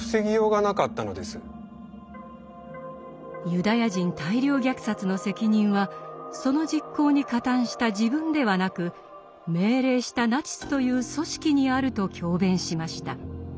ユダヤ人大量虐殺の責任はその実行に加担した自分ではなく命令したナチスという組織にあると強弁しました。